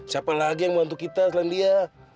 siapa lagi yang bantu kita selain dia